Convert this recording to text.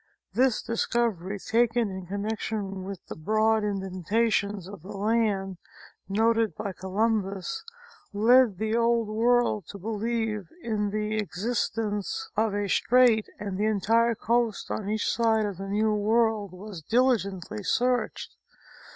This dis covery taken in connection with the broad indentations of the land noted by Columbus, led the old world to believe in the exist 304 National Geographic Magazine. ence of a strait, and tlie entire coast on each side of the new world was diligently searched.